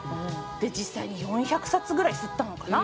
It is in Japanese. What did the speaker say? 実際に４００冊ぐらい刷ったのかな？